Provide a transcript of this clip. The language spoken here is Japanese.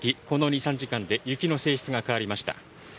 この２、３時間で雪の性質が変わりました。